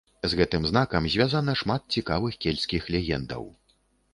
З гэтым знакам звязана шмат цікавых кельцкіх легендаў.